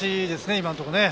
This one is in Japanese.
今のところ。